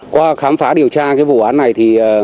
qua khám phá điều tra cái vụ án này thì